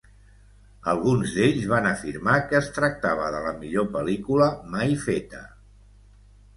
Alguns d'ells van afirmar que es tractava de la millor pel·lícula mai feta.